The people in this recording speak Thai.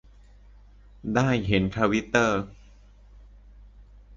ได้เห็นทวิตเตอร์